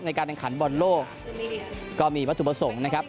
ในการแข่งขันบอลโลกก็มีวัตถุประสงค์นะครับ